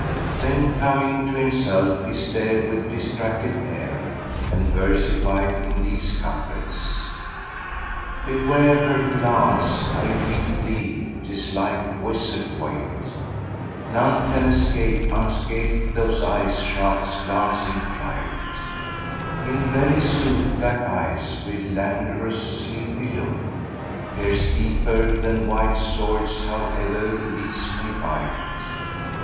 Then, coming to himself, he stared with distracted air, and versified in these couplets, "Beware her glance I rede thee, 'tis like wizard wight, * None can escape unscathed those eye shafts' glancing flight: In very sooth black eyes, with languorous sleepy look, * Pierce deeper than white swords however these may bite.